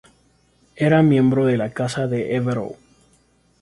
Era miembro de la Casa de Évreux.